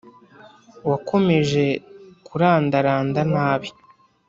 Wakomeje kurandaranda nabi